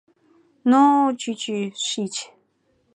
Ну, чӱчӱ, шич!